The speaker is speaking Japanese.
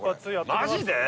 マジで？